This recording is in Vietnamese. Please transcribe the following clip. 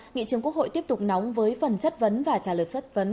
nghị trường quốc hội tiếp tục nóng với phần chất vấn và trả lời chất vấn